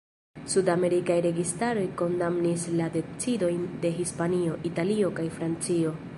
Sud-amerikaj registaroj kondamnis la decidojn de Hispanio, Italio kaj Francio.